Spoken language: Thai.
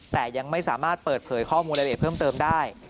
แต่ยังไม่สามารถเปิดเผยข้อมูลใดเพิ่มเติมได้